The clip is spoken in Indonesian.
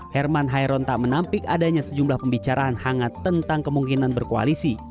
herman hairon tak menampik adanya sejumlah pembicaraan hangat tentang kemungkinan berkoalisi